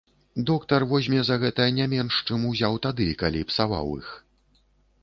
Доктар возьме за гэта не менш, чым узяў тады, калі псаваў іх.